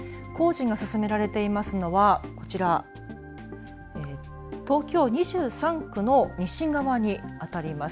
工事が進められていますのはこちら東京２３区の西側にあたります。